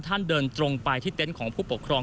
ท่านเดินตรงไปที่เต้นของผู้ปกครอง